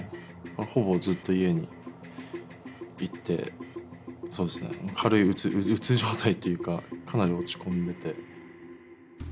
ほぼずっと家にいてそうですね軽いうつ状態っていうかかなり落ち込んでて。